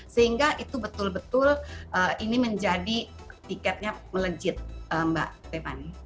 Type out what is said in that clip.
sehingga itu betul betul ini menjadi tiketnya melejit mbak stephani